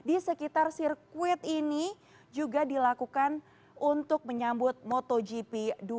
di sekitar sirkuit ini juga dilakukan untuk menyambut motogp dua ribu dua puluh